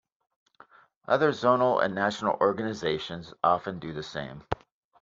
Other zonal and national organizations often do the same.